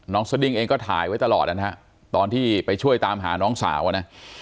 สดิ้งเองก็ถ่ายไว้ตลอดนะฮะตอนที่ไปช่วยตามหาน้องสาวอ่ะนะ